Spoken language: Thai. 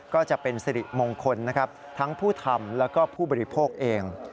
ก็จะเป็นสิริมงคลนะครับทั้งผู้ทำแล้วก็ผู้บริโภคเอง